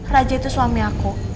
raja itu suami aku